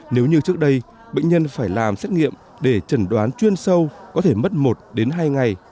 nếu như trước đây bệnh nhân phải làm xét nghiệm để chẩn đoán chuyên sâu có thể mất một đến hai ngày